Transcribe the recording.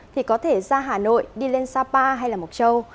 thì có thể ra hà nội đi lên sapa hay là mộc châu